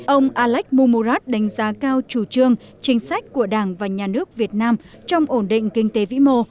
ông alex momorat đánh giá cao chủ trương chính sách của đảng và nhà nước việt nam trong ổn định kinh tế vĩ mô